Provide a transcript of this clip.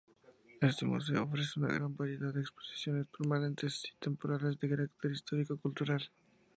Este museo ofrece una variedad de exposiciones permanentes y temporales de carácter histórico-cultural.